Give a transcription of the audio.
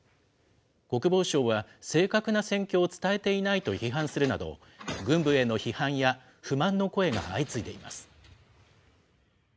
国防省は正確な戦況を伝えていないと批判するなど、軍部への批判や不満の声が相次いでいます。